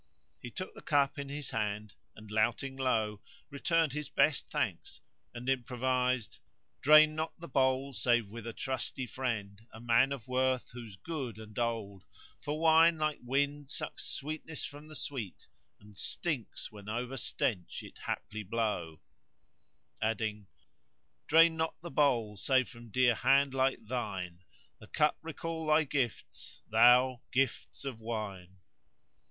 He took the cup in his hand and, louting low, returned his best thanks and improvised:— "Drain not the bowl save with a trusty friend * A man of worth whose good old blood all know: For wine, like wind, sucks sweetness from the sweet * And stinks when over stench it haply blow:" Adding:— Drain not the bowl; save from dear hand like thine * The cup recall thy gifts; thou, gifts of wine."